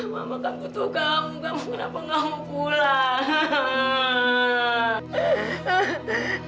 mama kan butuh kamu kamu kenapa nggak mau pulang